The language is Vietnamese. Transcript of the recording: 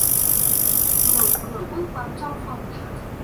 Mở cửa bước vào trong phòng thả